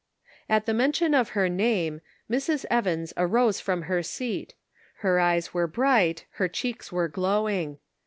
At the mention of her name, Mrs. Evans arose from her seat ; her eyes were bright her cheeks were glowing.